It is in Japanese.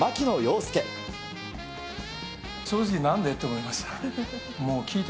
正直なんでって思いました。